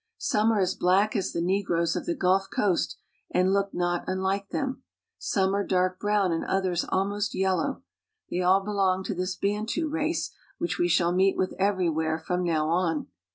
Some I are as black as the negroes of the Gulf Coast, and look not 1 _ unhke them. Some are dark brown and others almost J ■.yellow. They all belong to this Bantu race, which we I ^nhall meet with everywhere from now on.